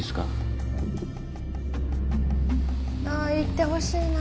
あ行ってほしいな。